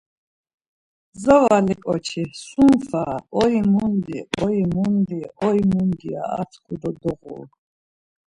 Zavali ǩoçi sum fara ‘oyi mundi oyi mundi oyi mundi’ ya atku do doğuru.